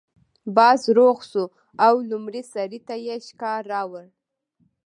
باز روغ شو او لومړي سړي ته یې شکار راوړ.